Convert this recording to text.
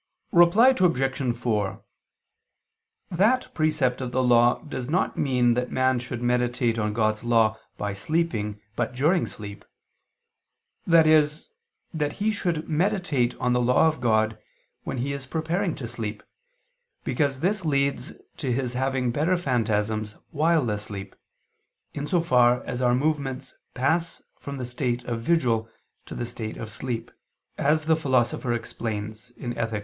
Reply Obj. 4: That precept of the Law does not mean that man should meditate on God's law by sleeping, but during sleep, i.e. that he should meditate on the law of God when he is preparing to sleep, because this leads to his having better phantasms while asleep, in so far as our movements pass from the state of vigil to the state of sleep, as the Philosopher explains (Ethic.